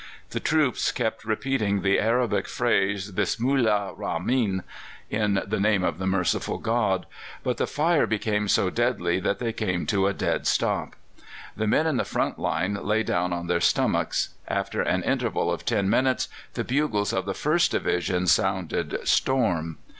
The troops kept repeating the Arabic phrase, "Bismillah rahmin!" (In the name of the merciful God!), but the fire became so deadly that they came to a dead stop. The men in the front line lay down on their stomachs. After an interval of ten minutes, the bugles of the First Division sounded "Storm."